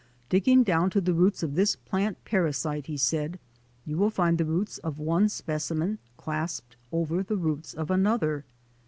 " Digging down to the roots of this plant parasite," he said, "you will find the roots of one specimen clasped over the roots of another.